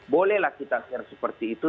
bolehlah kita share seperti itu